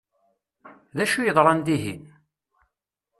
D acu i yeḍṛan dihin?